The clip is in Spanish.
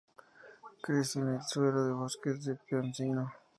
Crece en el suelo de bosques de pino-encino.